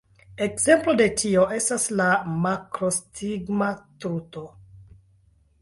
Ekzemplo de tio estas la makrostigma truto.